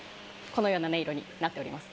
このような音色になっております。